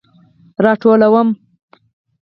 راټولوم